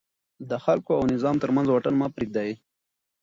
د خلکو او نظام ترمنځ واټن مه پرېږدئ.